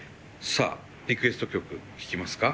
さあリクエスト曲聴きますか？